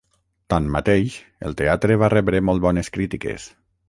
Tanmateix el teatre va rebre molt bones crítiques.